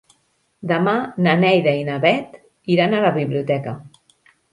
Demà na Neida i na Bet iran a la biblioteca.